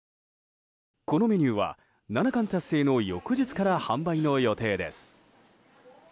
このメニューは七冠達成の翌日から販売の予定です。